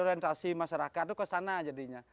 orientasi masyarakat itu ke sana jadinya